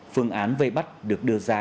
phương án vây bắt được đưa ra